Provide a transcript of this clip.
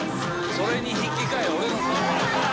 それに引き換え俺の顔。